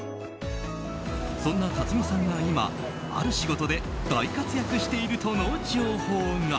そんな立見さんが今、ある仕事で大活躍しているとの情報が。